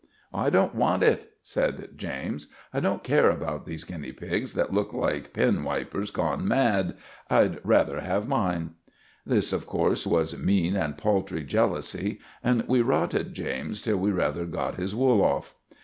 "I don't want it," said James. "I don't care about these guinea pigs that look like penwipers gone mad. I'd rather have mine." This, of course, was mean and paltry jealousy, and we rotted James till we rather got his wool off.